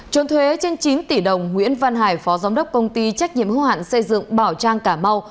trốn thuế trên chín tỷ đồng nguyễn văn hải phó giám đốc công ty trách nhiệm hưu hạn xây dựng bảo trang cà mau